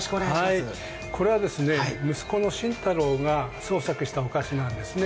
これは息子の慎太郎が創作した和菓子なんですね。